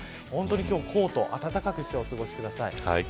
今日はコート温かくしてお過ごしください。